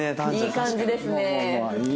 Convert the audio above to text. いい感じですね。